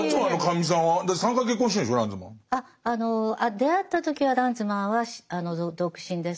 あっあの出会った時はランズマンは独身です。